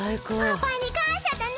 パパにかんしゃだね。